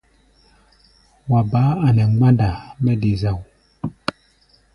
Wa baá a nɛ mgbánda mɛ́ de zao.